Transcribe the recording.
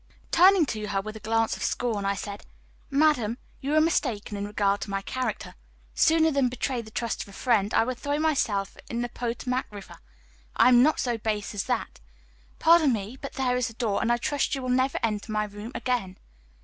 Turning to her with a glance of scorn, I said: "Madam, you are mistaken in regard to my character. Sooner than betray the trust of a friend, I would throw myself into the Potomac river. I am not so base as that. Pardon me, but there is the door, and I trust that you will never enter my room again."